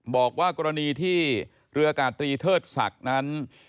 บอกว่ากรณีที่เรืออากาศตรีเทิดศักดิ์นั้น